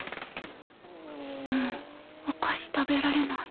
もうお菓子食べられない。